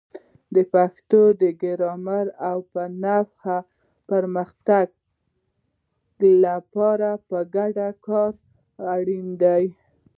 د پښتو د ګرامر او نحوې پرمختګ لپاره په ګډه کار کول اړین دي.